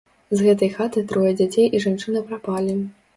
З гэтай хаты трое дзяцей і жанчына прапалі.